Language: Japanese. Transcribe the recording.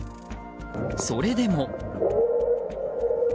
それでも。